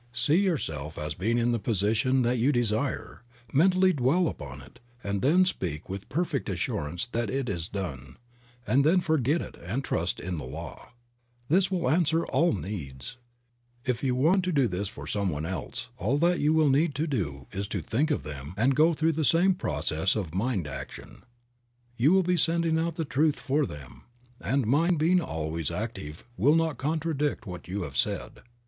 See your self as being in the position that you desire, mentally dwell upon it and then speak with perfect assurance that it is done; and then forget it and trust in the law. This will answer all needs. If you want to do this for someone else, all that you will need to do is to think of them and go through the same process of mind action. You will be sending out the truth for them, and mind being always active will not contradict what you have said.